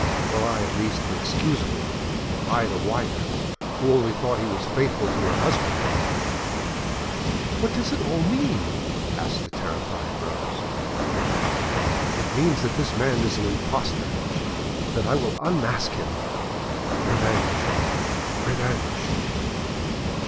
Well, I at least am excusable, I the wife, who only thought she was faithful to her husband!" "What does it all mean?" asked the terrified Rose. "It means that this man is an impostor and that I will unmask him. Revenge! revenge!"